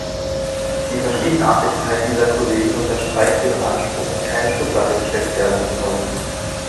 Die Verschiedenartigkeit dieser Kollegen unterstreicht ihren Anspruch, in keine Schublade gesteckt werden zu wollen.